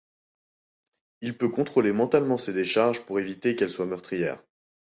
Il peut contrôler mentalement ses décharges pour éviter qu'elles soient meurtrières.